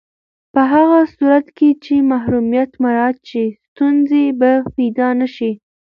په هغه صورت کې چې محرمیت مراعت شي، ستونزې به پیدا نه شي.